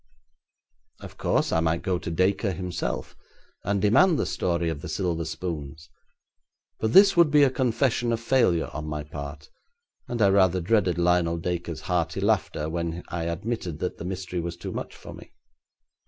Of course, I might go to Dacre himself and demand the story of the silver spoons, but this would be a confession of failure on my part, and I rather dreaded Lionel Dacre's hearty laughter when I admitted that the mystery was too much for me.